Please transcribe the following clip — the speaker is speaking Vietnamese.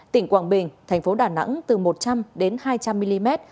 tỉnh quảng bình thành phố đà nẵng từ một trăm linh đến hai trăm linh mm